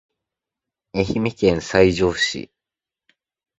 愛媛県西条市